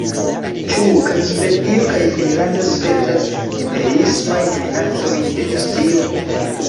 Ĉu kaj Svedio kaj Finnlando spertas imperiismajn minacojn de Rusio?